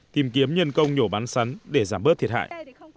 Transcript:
tìm kiếm nhân công nhổ bán sắn để giảm bớt thiệt hại